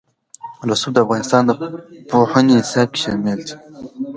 رسوب د افغانستان د پوهنې نصاب کې شامل دي.